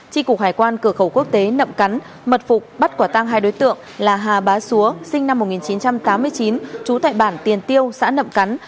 tri cục hải quan cửa khẩu quốc tế nậm cắn mật phục bắt quả tang hai đối tượng là hà bá xúa sinh năm một nghìn chín trăm tám mươi chín trú tại bản tiền tiêu xã nậm cắn